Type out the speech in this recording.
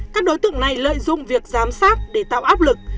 các đối tượng này lợi dụng việc giám sát để tạo áp lực